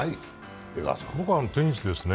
僕はテニスですね。